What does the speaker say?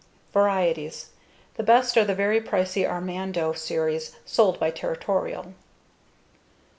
Varieties: The best are the very pricy Armado series sold by Territorial.